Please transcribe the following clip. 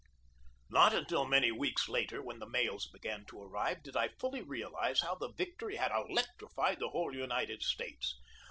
Not until many weeks later, when the mails began to arrive, did I fully realize how the victory had elec trified the whole United States.